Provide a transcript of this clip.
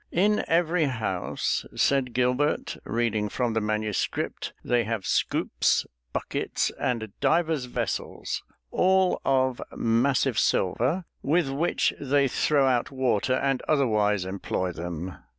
"In every house," said Gilbert, reading from the manuscript, "they have scoops, buckets, and divers vessels, all of massive silver with which they throw out water and otherwise employ them.